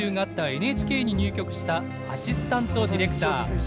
ＮＨＫに入局したアシスタントディレクター。